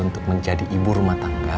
untuk menjadi ibu rumah tangga